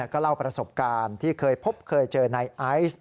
ก็เล่าประสบการณ์ที่เคยพบเคยเจอในไอซ์